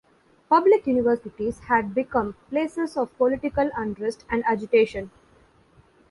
Public universities had become places of political unrest and agitation.